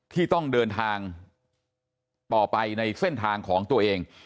ที่ต้องเดินทางต่อไปในเส้นทางของตัวเอง